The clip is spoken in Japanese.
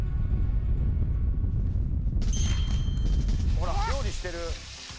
「ほら料理してる」